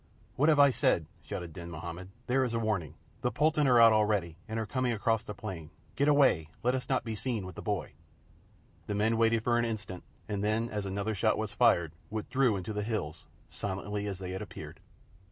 "What have I said?" shouted Din Mahommed. "There is the warning! The pulton are out already and are coming across the plain! Get away! Let us not be seen with the boy!" The men waited for an instant, and then, as another shot was fired, withdrew into the hills, silently as they had appeared.